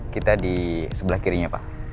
kita di sebelah kirinya pak